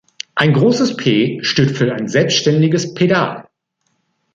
Ein großes „P“ steht für ein selbstständiges Pedal.